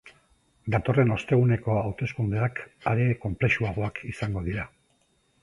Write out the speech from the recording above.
Datorren osteguneko hauteskundeak are konplexuagoak izango dira.